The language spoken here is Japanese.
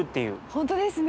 本当ですね。